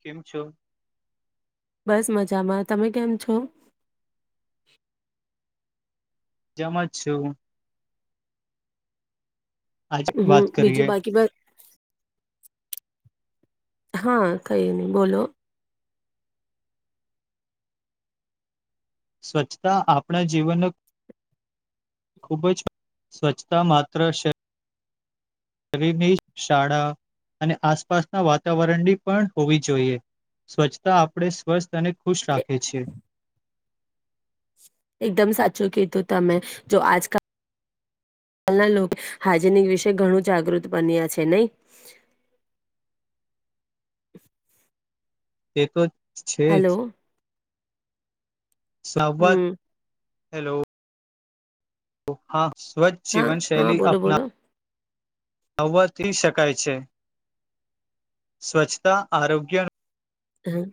કેમ છો બસ મજામાં તમે કેમ છો જમ જ છ આજે હમ વાત કરીએ બીજું બાકીમાં હા કઈ નહી બોલો સ્વચ્છતા આપણા જીવન ખૂબ જ સ્વચ્છતા માત્ર છે શાળા અને આસપાસના વાતાવરણની પણ હોવી જોઈએ સ્વચ્છતા આપણે સ્વસ્થ તને ખુશ એ- રાખે છે એકદમ સાચું કીધું તમે જો આજકાલના લોકો હાજીનિક વિશે ઘણું જાગૃત બન્યા છે નહી એક છે જ હલો સવત હમ હેલો ઓ હા સ્વચ્છ હા જીવન હા શૈલી બોલો અપના બોલો આવવાથી શકાય છે સ્વચ્છતા આરોગ્ય હમ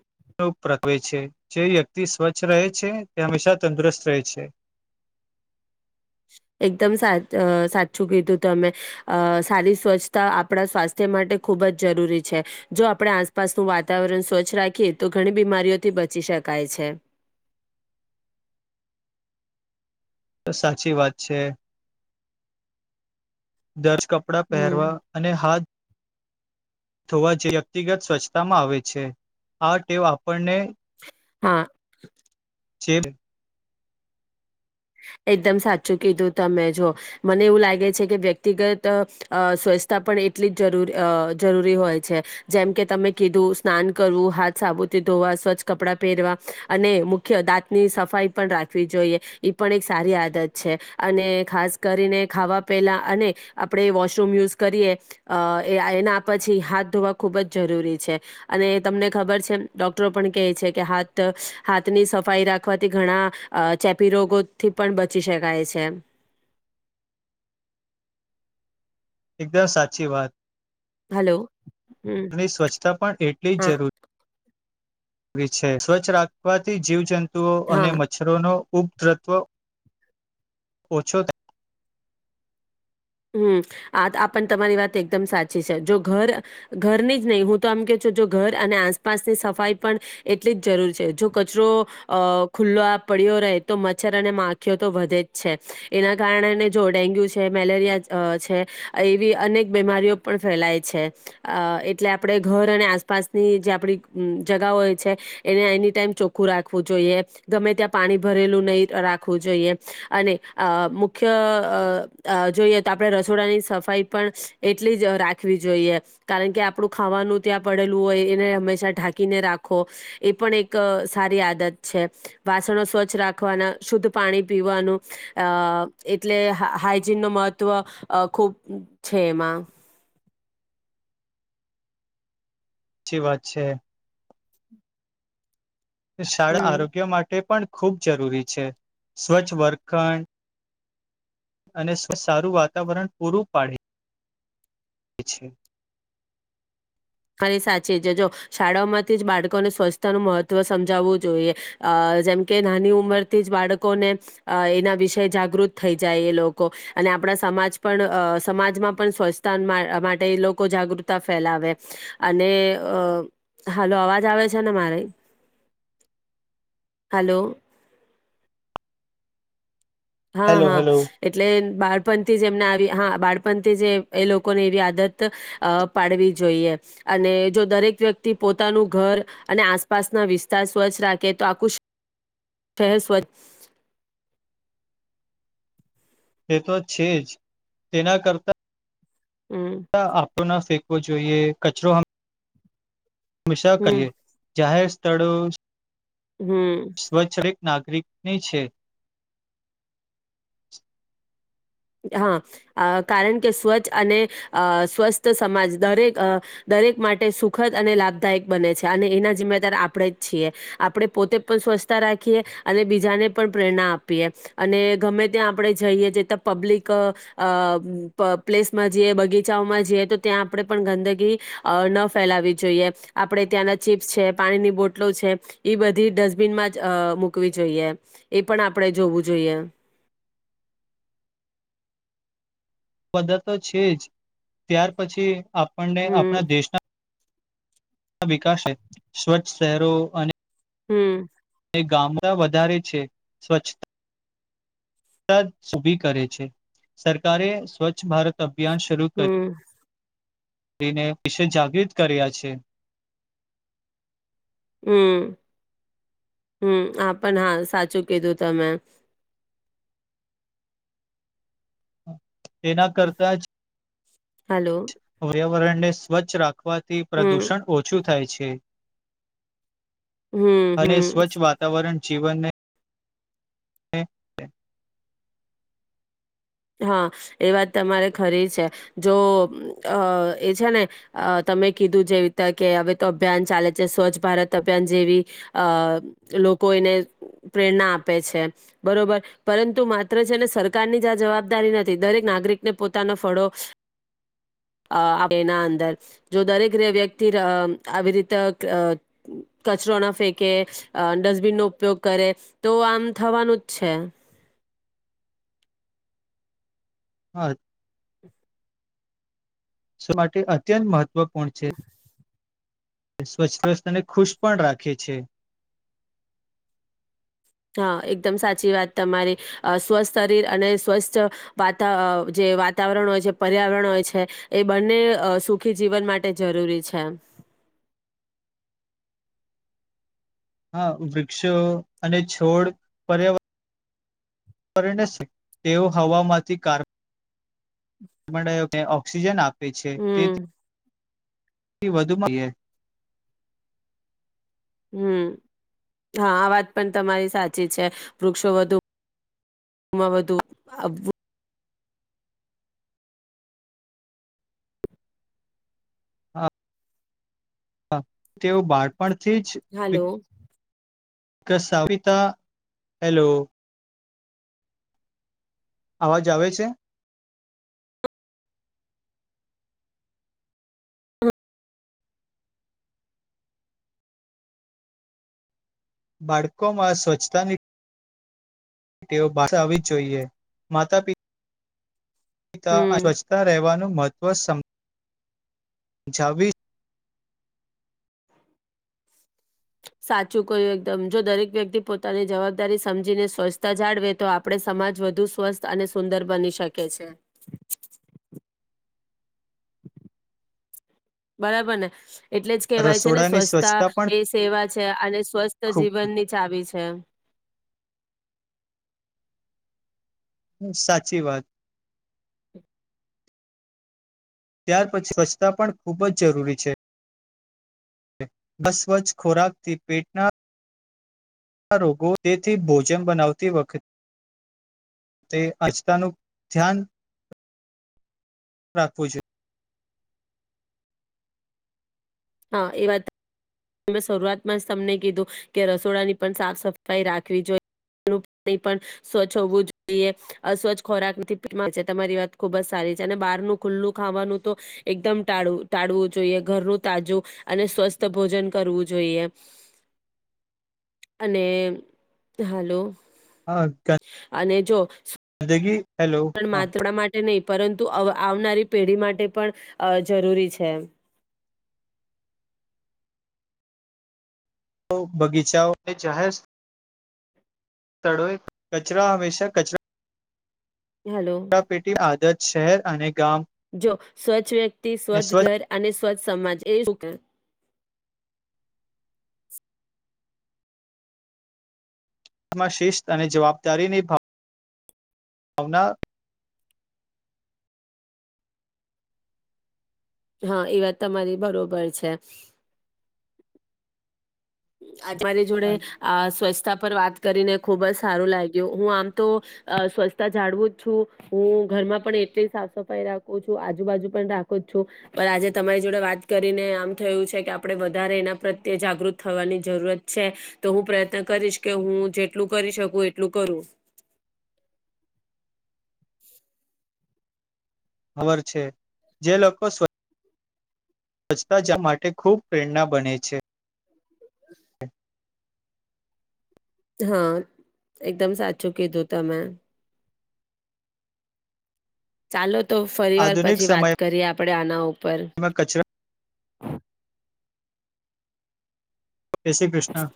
પ્રકવે છે જે વ્યક્તિ સ્વચ્છ રહે છે તે હંમેશા તંદુરસ્ત રહે છે એકદમ સા સાચું કીધું તમે અ સારી સ્વચ્છતા આપણા સ્વાસ્થ્ય માટે ખૂબ જ જરૂરી છે જો આપણે આસપાસનું વાતાવરણ સ્વચ્છ રાખીએ તો ઘણી બીમારીઓથી બચી શકાય છે તો સાચી વાત છે દર્શ કપડાં હમ પહેરવા અને હાથ થવા જે વ્યક્તિગત સ્વચ્છતામાં આવે છે આ ટેવ આપણને હા છેબ એકદમ સાચું કીધું તમે જો મને એવું લાગે છે કે વ્યક્તિગત અ સ્વચ્છતા પણ એટલી જ જરૂ અ જરૂરી હોય છે જેમ કે તમે કીધું સ્નાન કરવું હાથ સાબુથી ધોવા સ્વચ્છ કપડાં પહેરવા અને મુખ્ય દાંતની સફાઈ પણ રાખવી જોઈએ. પણ એક સારી આદત છે અને ખાસ કરીને ખાવા પહેલા અને આપણે વોશરૂમ યુઝ કરીએ અ એના પછી હાથ ધોવા ખૂબ જ જરૂરી છે. અને તમને ખબર છે ડોક્ટરો પણ કહે છે કે હાથ હાથની સફાઈ રાખવાથી ઘણા અ ચેપી રોગો થી પણ બચી શકાય છે. એકદમ સાચી વાત. હલો હમ અનેની સ્વચ્છતા પણ એટલી હા જ જરૂર વી છે. સ્વચ્છ રાખવાથી જીવ જંતુ ઈ હા અને મચ્છરોનો ઉપ તત્વ ઓછો થાય. હમ્મ આ પણ તમારી વાત એકદમ સાચી છે જો ઘર ઘરની જ નહી હું તો આમ કે છું જો ઘર અને આસપાસની સફાઈ પણ એટલી જ જરૂર છે જો કચરો અ ખુલ્લો પડ્યો રહે તો મચ્છર અને માખીઓ તો વધે જ છે એના કારણે જો ડેન્ગ્યુ છે, મેલેરિયા અ છે, એવી અનેક બીમારીઓ પણ ફેલાય છે. અ એટલે આપણે ઘર અને આસપાસની જે આપણી જગાઓ છે એને એની ટાઈમ ચોખ્ખું રાખવું જોઈએ ગમે ત્યાં પાણી ભરેલું નહીં રાખવું જોઈએ અને મુખ્ય અ જોઈએ. ત આપણે રસોડાની સફાઈ પણ એટલી જ રાખવી જોઈએ કારણ કે આપણું ખાવાનું ત્યાં પડેલું હોય એને હંમેશા ઢાંકીને રાખો એ પણ એક સારી આદત છે. વાસણો સ્વચ્છ રાખવાના શુદ્ધ પાણી પીવાનું અ એટલે હા હાઈજીનનું મહત્વ ત્વ ખૂબ છે એમાં. ચી વાત છે. શાળા હમ. આરોગ્ય માટે પણ ખૂબ જરૂરી છે સ્વચ્છ વર્ખણ અને સારું વાતાવરણ પૂરું પાડે. પછી અને સાચી જ જો શાળાઓમાંથી જ બાળકોને સ્વચ્છતાનું મહત્ત્વ સમજાવવું જોઈએ અ જેમ કે નાની ઉંમરથી જ બાળકોને એના વિશે જાગૃત થઈ જાય એ લોકો અને આપણા સમાજ પણ અ સમાજમાં પણ સ્વચ્છતા માટે એ લોકો જાગૃતતા ફેલાવે. અને અ હાલો અવાજ આવે છે ને મારે હલો. હા હેલો હા હેલો એટલે બાળપણથી જ એમને આવી હા બાળપણથી જે એ લોકોને એવી આદત અ પાડવી જોઈએ અને જો દરેક વ્યક્તિ પોતાનું ઘર અને આસપાસના વિસ્તાર સ્વચ્છ રાખે તો આખું શહેર સ્વચ્છ તે તો છે જ તેના કરતા હમ્મ. કરો ના ફેંકવો જોઈએ કચરો હ મેશા કહીએ જાહેર તડું હમ્મ. નાગરિકની છે. હા અ કારણ કે સ્વચ્છ અને અ સ્વસ્થ સમાજ દરેક દરેક માટે સુખદ અને લાભદાયક બને છે અને એના જિમ્મેદાર આપણે જ છીએ આપણે પોતે પણ સ્વચ્છતા રાખીએ અને બીજાને પણ પ્રેરણા આપીએ અને ગમે ત્યાં આપણે જઈએ પબ્લિક અ પ્લેસમાં જઈએ બગીચાઓમાં જઈએ તો ત્યાં આપણે પણ ગંદગી અ ન ફેલાવી જોઈએ આપણે ત્યાંના ચીપ્સ છે પાણીની બોટલો છે એ બધી ડસ્ટબિનમાં જ મૂકવી જોઈએ એ પણ આપણે જોવું જોઈએ. બધા તો છે જ ત્યાર પછી આપણને આપણા હમ દેશના વિકાસ સ્વચ્છ શહેરો અને હમ્મ. ગામડા વધારે છે સ્વચ તાજે ઉભી કરે છે સરકારે સ્વચ્છ ભારત અભ્યાસ શરૂ કર હમ તેને વિશે જાગૃત કર્યા છે. હમ્મ હમ્મ આપ પણ હા સાચું કીધું તમે. [unintelligible] તેના કરતા જ હલો. પર્યાવરણ ને સ્વચ્છ રાખ રાખવાથી હમ પ્રદુષણ ઓછું થાય છે. હમ, અને હમ. સ્વચ્છ જીવનને હ હા, એ વાત તમારે ખરી છે જો એ છે ને તમે કીધું જેવી રીતે કે હવે તો અભિયાન ચાલે છે, સ્વચ્છ ભારત અભિયાન જેવી અ લોકો એને પ્રેરણા આપે છે. બરોબર પરંતુ માત્ર છે. ને સરકારની જ આ જવાબ જવાબદારી નથી દરેક નાગરિકને પોતાનો ફળો આપ એના અંદર જો દરેક વ્યક્તિ આવી રીતે કચરો ના ફેંકે ડસ્ટબિન નો ઉપયોગ કરે તો આમ થવાનું જ છે. હા. શ માટે અત્યંત મહત્વ મહત્વપૂર્ણ છે. સ્વચ્છવસ્તને ખુશ પણ રાખે છે. હા, એકદમ સાચી વાત તમારી સ્વસ્થ શરીર અને સ્વસ્થ વાતા જે વાતાવરણ હોય છે, પર્યાવરણ હોય છે એ બંને સુખી જીવન માટે જરૂરી છે. હા વૃક્ષો અને છોડ પર્યાવરણ તેઓ હવામાંથી કાર્બન ડાયોક્સાઇડ ઓક્સિજન આપ છે. તે હમ થી થી વધુ મળએ હમ, હા આ વાત પણ તમારી સાચી છે. વૃક્ષો વધુમાં વધુ હા, તેવ બાળપણ હલો! કસાપિતા. હેલો! અવાજ આવે છે? બાળકોમાં સ્વચ્છતાની તેઓ પાડવી આવવી જ જોઈએ માતા પિતા હમ સ્વચ્છતા રહેવાનું મહત્વ મહત્વ સમજાવી સાચું કોઈ એકદમ જો દરેક વ્યક્તિ પોતાની જવાબદારી સમજીને સ્વચ્છતા જાળવે તો આપણે સમાજ વધુ સ્વસ્થ અને સુંદર બની શકે છે. બરાબર ને એટલે જ કેહેવાય છે ને રસોડાની સ્વચસ્છતા સ્વચ્છતા પણ એ સેવા છે અને સ્વસ્થ ખૂબ જીવન ની ચાવી છે. સાચી વાત. ત્યાર પછી સ્વચ્છતા પણ ખૂબ જ જરૂરી છે. સ્વચ્છ ખોરાકથી પેટના રોગો તેથી ભોજન બનાવતી વખતે તે અચતાનું ધ્યાન રાખવું જોઈએ. હા એ વાત શરૂઆતમાં જ તમને કીધું કે રસોડાની પણ સાફ સફાઈ રાખવી જોઈએ. પાણી પણ સ્વચ્છ હોવું જોઈએ અસ્વચ્છ ખોરાક માં તમારી વાત ખુબ જ સારી છે, અને બહારનું ખુલ્લું ખાવાનું તો એકદમ ટાળવું જોઈએ ઘરનું તાજું અને સ્વસ્થ ભોજન કરવું જોઈએ. અને હાલો! હા, ગંદગી. હેલો હા પણ [unintelligible] માટે નહીં પરંતુ અવ આવનારી પેઢી માટે પણ જરૂરી છે. તો બગીચાઓ એ જાહેર તળોએ કચરા, હંમેશા કચરા હાલો કચરાપેટી આદત શહેર અને ગામ જો સ્વચ્છ વ્યક્તિ તી ને સ્વચ્છ ઘર અને સ્વચ્છ સમાજ એ શું કે મા શિસ્ત અને જવાબદારીની ભાવના ભાવના હા એ વાત તમારી બરોબર છે અમારી જોડે અ સ્વસ્થ સ્તા પર વાત કરીને ખુબ જ સારું લાગ્યું હું આમ તો સ્વચ્છતા જાળવું જ છું હું ઘરમાં પણ એટલી સાફ સફાઈ રાખું છું આજુબાજુ પણ રાખું જ છું પણ આજે તમારી જોડે વાત કરીને આમ થયું છે કે આપડે વધારે એના પ્રત્યે જાગૃત થવાની જરૂરત છે તો હું પ્રયત્ન કરીશ કે હું જેટલું કરી શકું એટલું કરું [inaudible] છે જે લોકો સ્વ સ્વચતા જ માટે ખૂબ પ્રેરણા બને છે હ હા એકદમ સાચું કીધું તમે ચાલો તો ફરી વાર આધુનિક પછી વાત સમયમાં કરીએ આપણેે આના ઉપર [inaudible] કચરા જય શ્રી કૃષ્ણ